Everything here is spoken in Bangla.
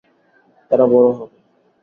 এরা বড় হবে।